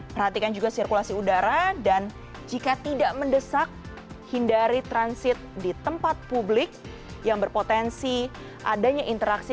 perhatikan juga sirkulasi udara dan jika tidak mendesak hindari transit di tempat publik yang berpotensi adanya interaksi